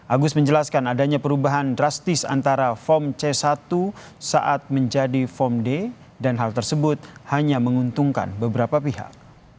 agus menjelaskan adanya perubahan drastis antara form c satu saat menjadi form d dan hal tersebut hanya menguntungkan beberapa pihak